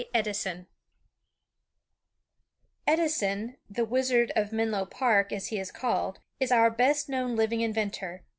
Edison Edison, "The Wizard of Menlo Park," as he is called, is our best known living inventor.